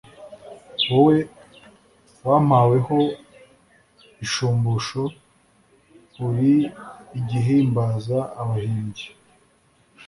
Wowe wampaweho ishumbusho Uri igihimbaza abahimbyi.